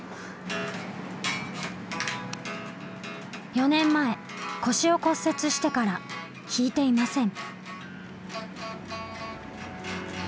４年前腰を骨折してから弾いていません。